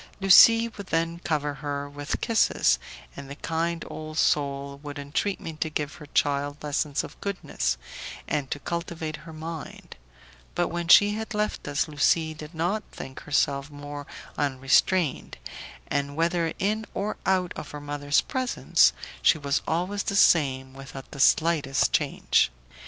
Lucie would then cover her with kisses, and the kind old soul would entreat me to give her child lessons of goodness, and to cultivate her mind; but when she had left us Lucie did not think herself more unrestrained, and whether in or out of her mother's presence, she was always the same without the slightest change.